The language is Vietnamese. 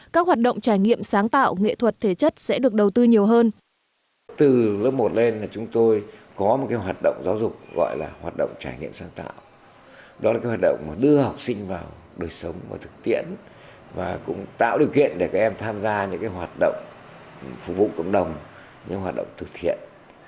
các hoạt động trải nghiệm sáng tạo nghệ thuật thể chất sẽ được đầu tư nhiều hơn